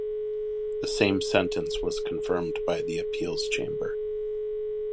The same sentence was confirmed by the appeals chamber.